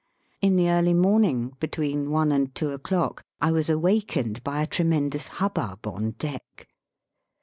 In the early morning, between one and two o'clock, I was awakened by a tremendous hubbub on deck.